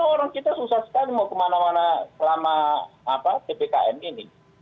itu orang kita susah sekali mau kemana mana selama apa tpkn ini